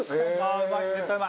うまい！